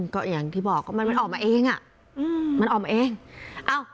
ก็อย่างที่บอกมันออกมาเองอะ